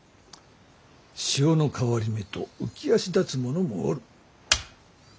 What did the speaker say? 潮の変わり目と浮き足だつ者もおる。